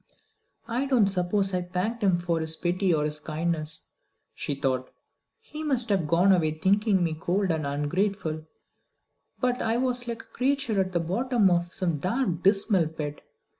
"I don't suppose I thanked him for his pity or his kindness," she thought. "He must have gone away thinking me cold and ungrateful; but I was like a creature at the bottom of some dark dismal pit.